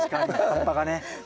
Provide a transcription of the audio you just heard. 葉っぱがね。